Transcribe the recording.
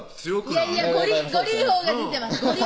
いやいやゴリぃほうが出てます